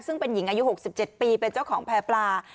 ซึ่งเป็นหญิงอายุ๖๗ปีเป็นเจ้าของแพร่ปลา